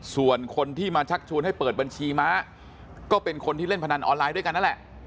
ส่วนคนที่มาชักชวนให้เปิดบัญชีม้าก็เป็นคนที่เล่นพนันออนไลน์ด้วยกันนั่นแหละ